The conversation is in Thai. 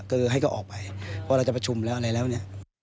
คือให้เขาออกไปเพราะเราจะประชุมแล้วอะไรแล้วเนี่ย